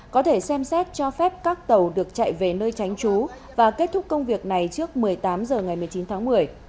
có thể xem xét cho phép các tàu được chạy về nơi tránh trú và kết thúc công việc này trước một mươi tám h ngày một mươi chín tháng một mươi